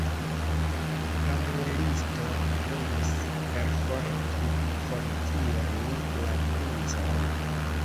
La muelisto volis perforte fortiri la princon.